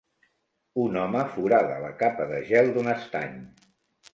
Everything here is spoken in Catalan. Un home forada la capa de gel d'un estany.